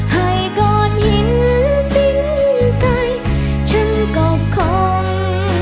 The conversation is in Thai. ให้ก่อนหินสิ้นใจฉันก็คง